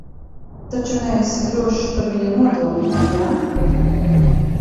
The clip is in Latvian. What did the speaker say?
Taču neesi drošs par viņu nodomiem, jā?